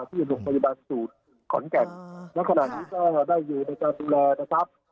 ที่โรงพยาบาลศูนย์ขอนแก่นณขณะนี้ก็ได้อยู่ในการดูแลนะครับ